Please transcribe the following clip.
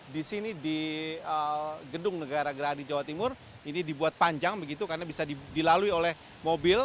di sini di gedung negara gerahadi jawa timur ini dibuat panjang begitu karena bisa dilalui oleh mobil